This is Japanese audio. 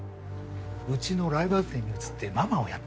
うちのライバル店に移ってママをやってます。